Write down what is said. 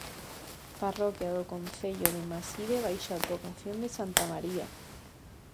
Parroquia do concello de Maside baixo a advocación de santa María.